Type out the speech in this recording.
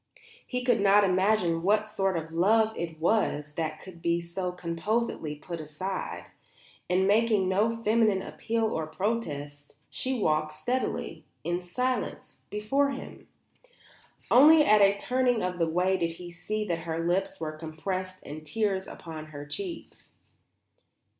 He could not imagine what sort of love it was that could so composedly be put aside. And making no feminine appeal or protest, she walked steadily, in silence, before him. Only at a turning of the way did he see that her lips were compressed and tears upon her cheeks.